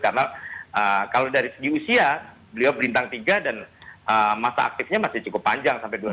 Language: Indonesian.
karena kalau dari segi usia beliau bintang tiga dan masa aktifnya masih cukup panjang sampai dua ribu dua puluh lima